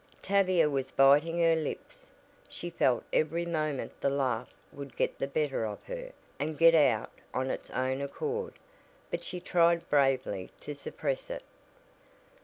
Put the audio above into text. Tavia was biting her lips. She felt every moment the laugh would get the better of her and get out on its own accord, but she tried bravely to suppress it.